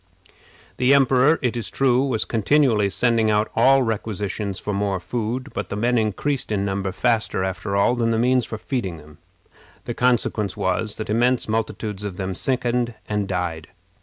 The emperor, it is true, was continually sending out requisitions for more food; but the men increased in number faster, after all, than the means for feeding them. The consequence was, that immense multitudes of them sickened and died.